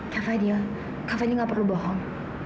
kak fadil kak fadil gak perlu bohong